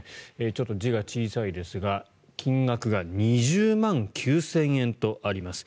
ちょっと字が小さいですが金額が２０万９０００円とあります。